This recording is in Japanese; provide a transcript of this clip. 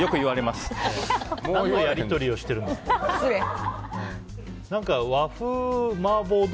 どういうやり取りをしてるんですか。